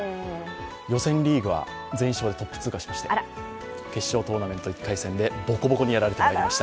予選リーグは全勝でトップ通過しまして、決勝トーナメント１回戦でボコボコにやられてまいりました。